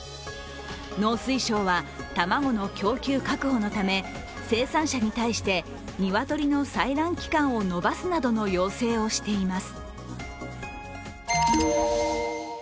農水省は卵の供給確保のため、生産者に対して鶏の採卵期間を延ばすなどの要請をしています。